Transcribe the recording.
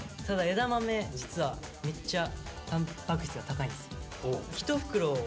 枝豆実はめっちゃたんぱく質が高いんですよ。